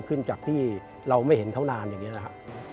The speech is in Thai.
ขึ้นจากที่เราไม่เห็นเขานานอย่างนี้นะครับ